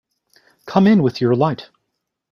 Come in with your light.